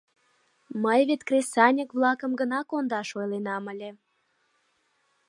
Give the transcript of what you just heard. Мый вет кресаньык-влакым гына кондаш ойленам ыле.